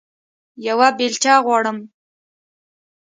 یوه بیلچه غواړم